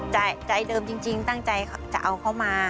ใจเดิมจริงตั้งใจจะเอาเขามา